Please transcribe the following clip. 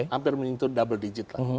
hampir menyentuh double digit lah